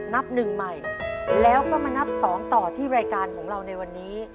นับหนึ่งใหม่แล้วก็มานับสองต่อที่รายการของเราในวันนี้